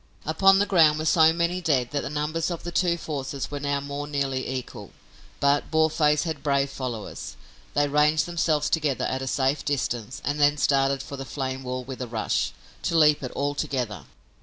Upon the ground were so many dead that the numbers of the two forces were now more nearly equal. But Boarface had brave followers. They ranged themselves together at a safe distance and then started for the flame wall with a rush, to leap it all together.